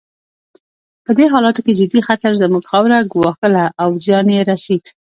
په دې حالاتو کې جدي خطر زموږ خاوره ګواښله او زیان یې رسېد.